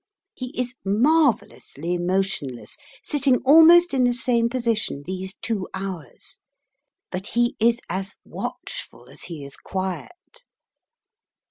He is marvellously motionless, sitting almost in the same position these two hours. But he is as watchful as he is quiet.